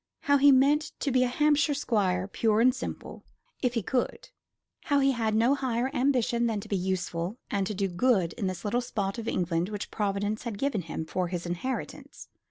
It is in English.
How he meant to be a Hampshire squire, pure and simple, if he could. How he had no higher ambition than to be useful and to do good in this little spot of England which Providence had given him for his inheritance.